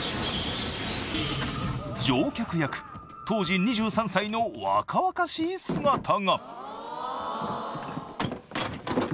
［当時２３歳の若々しい姿が］